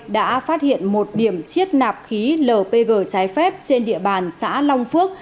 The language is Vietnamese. đã phát hiện một điểm chiết nạp khí lpg trái phép trên địa bàn xã long phước